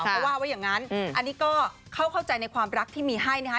เพราะว่าไว้อย่างนั้นอันนี้ก็เข้าใจในความรักที่มีให้นะคะ